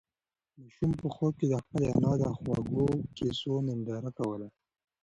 ماشوم په خوب کې د خپلې انا د خوږو قېصو ننداره کوله.